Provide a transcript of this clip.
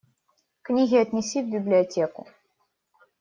Книги отнеси в библиотеку.